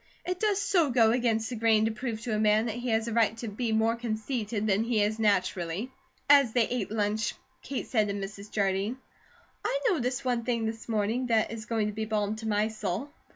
It does so go against the grain to prove to a man that he has a right to be more conceited than he is naturally." As they ate lunch Kate said to Mrs. Jardine: "I noticed one thing this morning that is going to be balm to my soul.